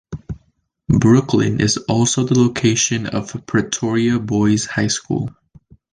Brooklyn is also the location of Pretoria Boys High School.